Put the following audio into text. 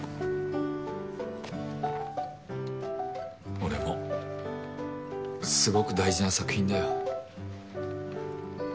俺もすごく大事な作品だよ。